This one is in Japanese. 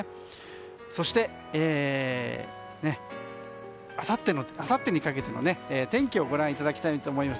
そして、あさってにかけての天気をご覧いただきたいと思います。